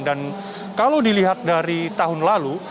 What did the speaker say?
dan kalau dilihat dari tahun lalu